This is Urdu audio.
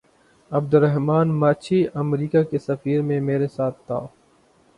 عبدالرحمٰن ماچھی امریکہ کے سفر میں میرے ساتھ تھا۔